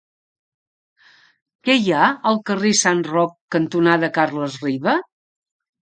Què hi ha al carrer Sant Roc cantonada Carles Riba?